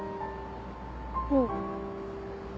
うん。